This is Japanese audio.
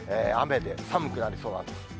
雨で、寒くなりそうなんです。